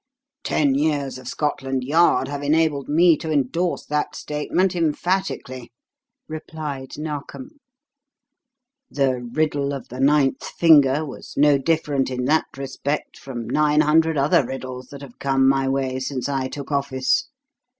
"Ten years of Scotland Yard have enabled me to endorse that statement emphatically," replied Narkom. "'The riddle of the ninth finger' was no different in that respect from nine hundred other riddles that have come my way since I took office.